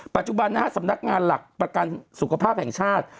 ปัจจุบันนะฮะสำนักงานหลักประกันสุขภาพแห่งชาติ